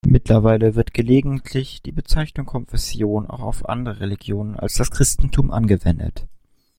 Mittlerweile wird gelegentlich die Bezeichnung Konfession auch auf andere Religionen als das Christentum angewendet.